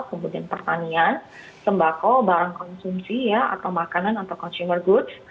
kemudian pertanian sembako barang konsumsi atau makanan atau consumer goods